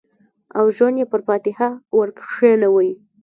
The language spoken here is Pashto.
او ژوند یې پر فاتحه ورکښېنوی